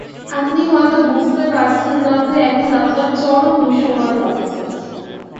আপনি হয়তো বুঝতে পারছেন না যে এখন আপনার চরম দুঃসময় যাচ্ছে।